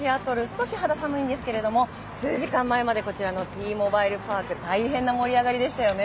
少し肌寒いんですが数時間前までこちらのＴ‐モバイル・パーク大変な盛り上がりでしたよね。